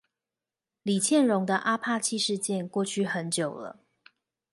李蒨蓉的阿帕契事件過去很久了